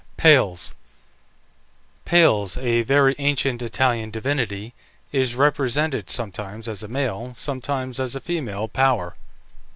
PALES. Pales, a very ancient Italian divinity, is represented sometimes as a male, sometimes as a female power.